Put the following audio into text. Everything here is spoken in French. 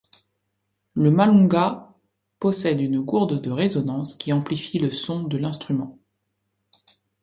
Le malunga possède une gourde de résonance qui amplifie le son de l'instrument.